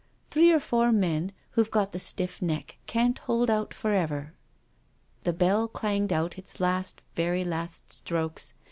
Three or four men who've got the stiff neck can't hold out for ever." The bell clanged out its last, very last strokes.